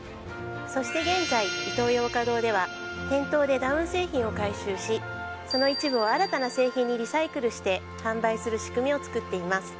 そして現在イトーヨーカドーでは店頭でダウン製品を回収しその一部を新たな製品にリサイクルして販売する仕組みを作っています。